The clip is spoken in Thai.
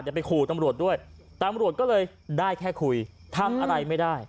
เดี๋ยวไปขู่ตำรวจด้วยตำรวจก็เลยได้แค่คุยทำอะไรไม่ได้